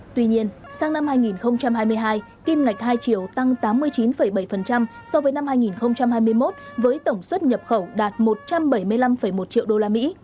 tuy nhiên sang năm hai nghìn hai mươi hai kim ngạch hai triệu tăng tám mươi chín bảy so với năm hai nghìn hai mươi một với tổng xuất nhập khẩu đạt một trăm bảy mươi năm một triệu đô la mỹ